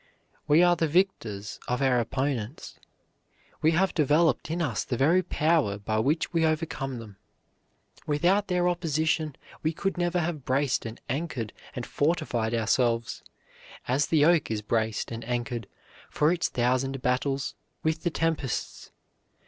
We are the victors of our opponents. They have developed in us the very power by which we overcome them. Without their opposition we could never have braced and anchored and fortified ourselves, as the oak is braced and anchored for its thousand battles with the tempests.